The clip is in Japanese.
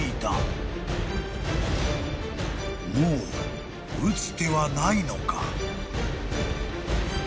［もう打つ手はないのか？］